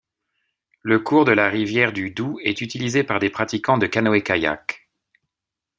Le cours de la rivière du Doux est utilisé par des pratiquants de canoë-kayak.